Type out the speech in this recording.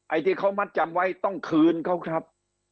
ที่เขามัดจำไว้ต้องคืนเขาครับ